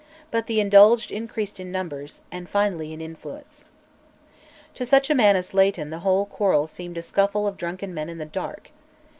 But the Indulged increased in numbers, and finally in influence. To such a man as Leighton the whole quarrel seemed "a scuffle of drunken men in the dark."